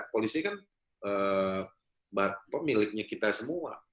polisi kan pemiliknya kita semua